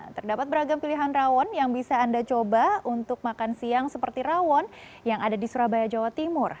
terdapat beragam pilihan rawon yang bisa anda coba untuk makan siang seperti rawon yang ada di surabaya jawa timur